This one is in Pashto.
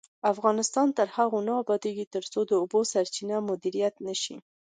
افغانستان تر هغو نه ابادیږي، ترڅو د اوبو سرچینې مدیریت نشي.